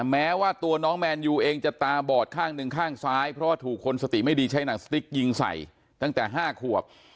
แม้ว่าตัวน้องแมนยูเองจะตาบอดข้างหนึ่งข้างซ้ายเพราะว่าถูกคนสติไม่ดีใช้หนังสติ๊กยิงใส่ตั้งแต่๕ขวบ